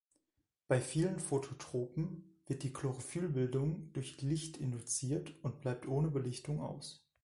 Bei vielen Phototrophen wird die Chlorophyll-Bildung durch Licht induziert und bleibt ohne Belichtung aus.